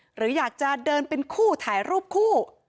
หรืออยากจะเดินเป็นคู่ถ่ายรูปคู่